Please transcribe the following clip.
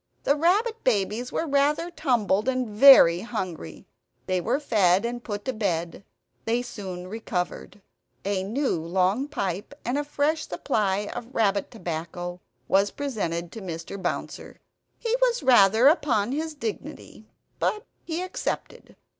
The rabbit babies were rather tumbled and very hungry; they were fed and put to bed. They soon recovered. A new long pipe and a fresh supply of rabbit tobacco was presented to Mr. Bouncer. He was rather upon his dignity; but he accepted.